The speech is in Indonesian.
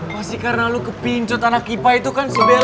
pasti karena lu kepincot anak kipah itu kan se bella